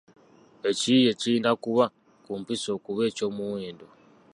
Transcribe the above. Ekiyiiye kirina kuba ku mpisa okuba eky’omuwendo